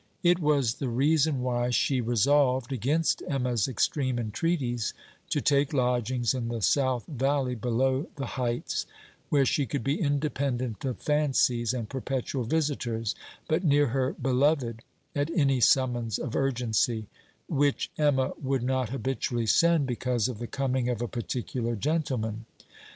It was the reason why she resolved, against Emma's extreme entreaties, to take lodgings in the South valley below the heights, where she could be independent of fancies and perpetual visitors, but near her beloved at any summons of urgency; which Emma would not habitually send because of the coming of a particular gentleman.